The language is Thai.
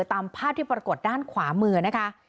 ตามภาพที่ปรากฏด้านขวามือนะคะ